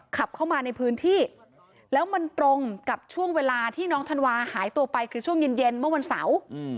ขับเข้ามาในพื้นที่แล้วมันตรงกับช่วงเวลาที่น้องธันวาหายตัวไปคือช่วงเย็นเมื่อวันเสาร์